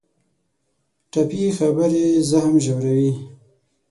ټپي خبرې زخم ژوروي.